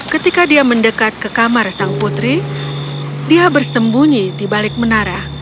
ketika dia mendekat ke kamar sang putri dia bersembunyi di balik menara